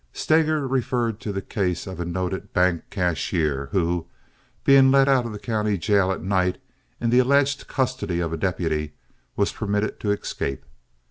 Steger referred to the case of a noted bank cashier who, being let out of the county jail at night in the alleged custody of a deputy, was permitted to escape.